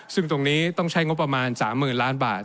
ซึ่งตรงนี้ต้องใช้งบประมาณ๓๐๐๐ล้านบาท